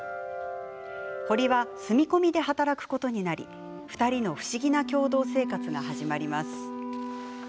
堀は住み込みで働くことになり２人の不思議な共同生活が始まります。